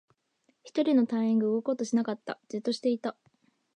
一人の隊員が動こうとしなかった。じっとしていた。